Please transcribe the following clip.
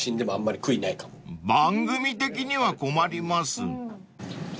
［番組的には困ります］